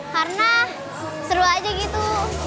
karena seru aja gitu